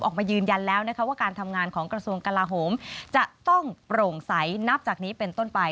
ออกมายืนยันแล้วนะคะว่าการทำงานของกระทรวงกลาโหมจะต้องโปร่งใสนับจากนี้เป็นต้นไป